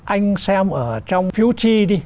anh xem ở trong phiếu chi đi